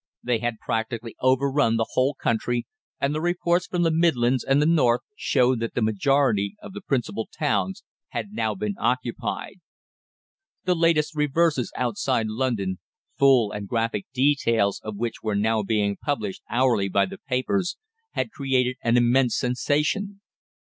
They had practically over run the whole country, and the reports from the Midlands and the North showed that the majority of the principal towns had now been occupied. The latest reverses outside London, full and graphic details of which were now being published hourly by the papers, had created an immense sensation.